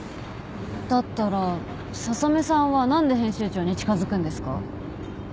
だったら笹目さんは何で編集長に近づくんですか？